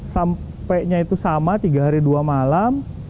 sampai nya itu sama tiga hari dua malam